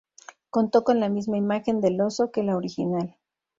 Contó con la misma imagen del oso que la original.